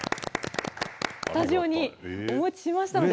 スタジオにお持ちしましたので。